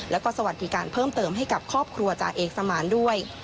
แล้วก็สวัสดิการเพิ่มเติมให้กับครอบครัวจ่าเอกสมานด้วย